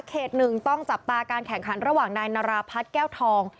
หนึ่งต้องจับตาการแข่งขันระหว่างนายนาราพัฒน์แก้วทอง